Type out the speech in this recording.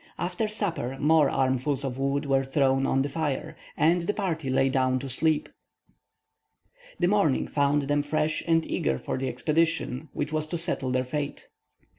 After supper, more armfuls of wood were thrown on the fire, and the party lay down to sleep. The morning found them fresh and eager for the expedition which was to settle their fate.